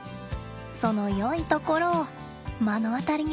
そのよいところを目の当たりにした感じだな。